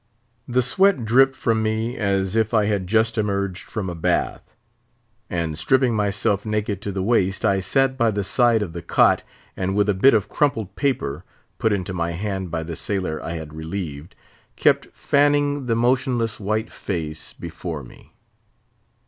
The sweat dripped from me as if I had just emerged from a bath; and stripping myself naked to the waist, I sat by the side of the cot, and with a bit of crumpled paper—put into my hand by the sailor I had relieved—kept fanning the motionless white face before me.